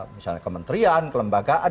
misalnya kementrian kelembagaan